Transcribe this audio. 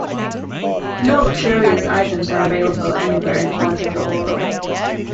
No luxurious items are available anywhere in Ponta do Ouro.